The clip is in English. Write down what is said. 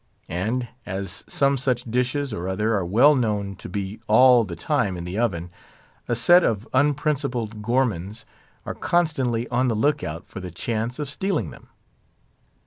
And as some such dishes or other are well known to be all the time in the oven, a set of unprincipled gourmands are constantly on the look out for the chance of stealing them.